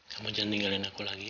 kamu jangan tinggalin aku lagi